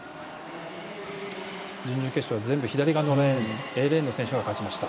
準々決勝は全部左側のレーンＡレーンの選手が勝ちました。